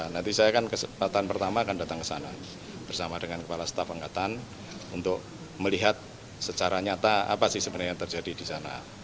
nanti saya kan kesempatan pertama akan datang ke sana bersama dengan kepala staf angkatan untuk melihat secara nyata apa sih sebenarnya yang terjadi di sana